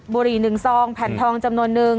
บุรีหนึ่งซองแผนทองจำนวนหนึ่ง